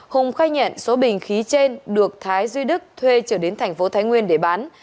hùng khai nhận số bình khí trên được thái duy đức thuê trở đến tp thái nguyên để bán